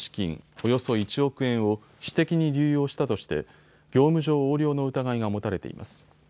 およそ１億円を私的に流用したとして業務上横領の疑いが持たれています。